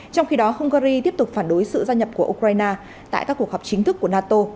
trong khi đó hungary tiếp tục phản đối sự gia nhập của ukraine tại các cuộc họp chính thức của nato